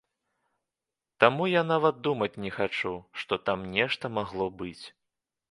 Таму я нават думаць не хачу, што там нешта магло быць.